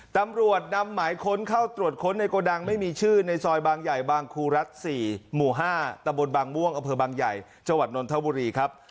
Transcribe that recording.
ตำรวจนำหมายค้นเข้าตรวจค้นในโกดังไม่มีชื่อในซอยบางใหญ่บางครูรัฐ๔หมู่๕ตะบนบางม่วงอเภอบางใหญ่จังหวัดนนทบุรีครับ